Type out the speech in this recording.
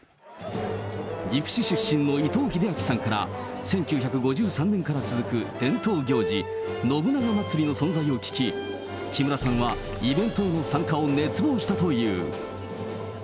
岐阜市出身の伊藤英明さんから、１９５３年から続く伝統行事、信長まつりの存在を聞き、木村さんは、イベントへの参加を熱望したという。